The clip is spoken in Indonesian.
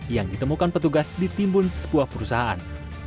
yang ditemukan petugas ditimbun sebuah perusahaan